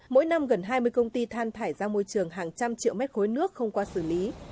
mỗi năm gần hai mươi công ty than thải ra môi trường hàng trăm triệu mét khối nước không qua xử lý